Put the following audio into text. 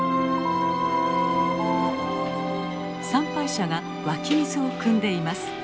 参拝者が湧き水をくんでいます。